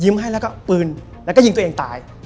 ให้แล้วก็ปืนแล้วก็ยิงตัวเองตาย